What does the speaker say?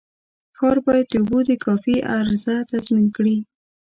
ښار باید د اوبو د کافي عرضه تضمین کړي.